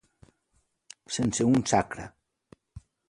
Sense un sacre.